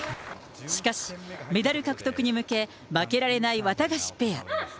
しかし、メダル獲得に向け、負けられないワタガシペア。